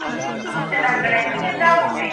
هیله ده چي عدالت په ټولنه کي پلی سي.